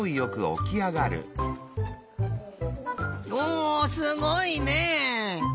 おすごいね！